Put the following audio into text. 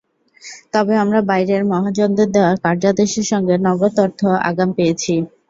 তবে আমরা বাইরের মহাজনদের দেওয়া কার্যাদেশের সঙ্গে নগদ অর্থ আগাম পেয়েছি।